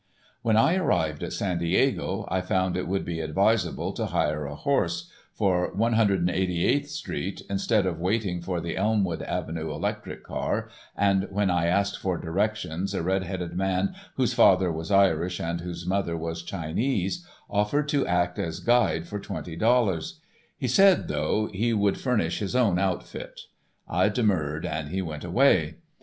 When I arrived at San Diego I found it would be advisable to hire a horse, for 188th street, instead of waiting for the Elmwood Avenue electric car, and when I asked for directions a red headed man whose father was Irish and whose mother was Chinese, offered to act as guide for twenty dollars. He said, though, he would furnish his own outfit. I demurred and he went away.